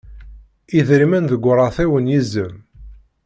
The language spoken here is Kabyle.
Idrimen deg uṛaṭiw n yizem.